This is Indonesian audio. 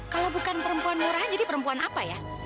kalau bukan perempuan murahan jadi perempuan apa ya